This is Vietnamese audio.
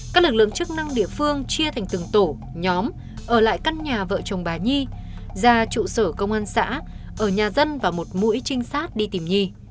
các lực lượng chức năng địa phương chia thành từng tổ nhóm ở lại căn nhà vợ chồng bà nhi ra trụ sở công an xã ở nhà dân và một mũi trinh sát đi tìm nhi